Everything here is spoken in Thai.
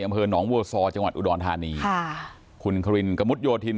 อำเภอหนองวัวซอจังหวัดอุดรธานีค่ะคุณครินกระมุดโยธิน